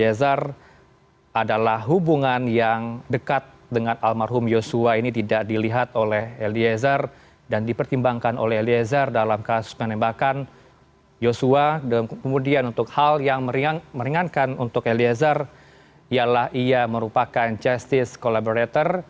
encontral regional lg d entrare alleam ingin digabungkan dengan ny saint magge nkane